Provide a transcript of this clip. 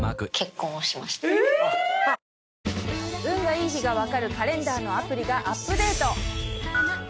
運がいい日が分かるカレンダーのアプリがアップデート！